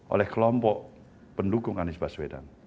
oleh kelompok pendukung anies baswedan